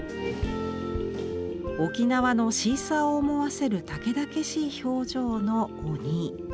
沖縄のシーサーを思わせる猛々しい表情の「おに」。